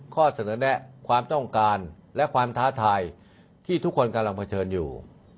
ข้อเสนอแนะความต้องการและความท้าทายที่ทุกคนกำลังเผชิญอยู่